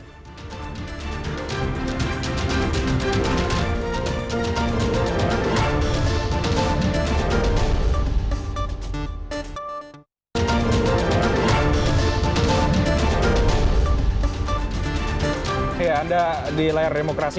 oke anda di layar remokrasi